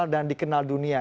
dan dikenal dunia